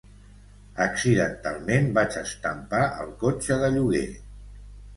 Accidentalment vaig estampar el cotxe de lloguer.